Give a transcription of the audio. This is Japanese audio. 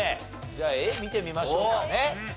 じゃあＡ見てみましょうかね。